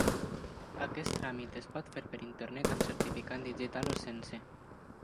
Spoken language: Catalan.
Aquest tràmit es pot fer per internet amb certificat digital o sense.